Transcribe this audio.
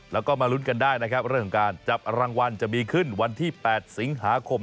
แล้วก็มาลุ้นกันได้นะครับเรื่องของการจับรางวัลจะมีขึ้นวันที่๘สิงหาคม